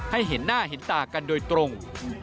เห็นหน้าเห็นตากันโดยตรง